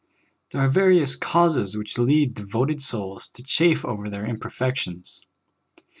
There are various causes which lead devoted souls to chafe over their imperfections.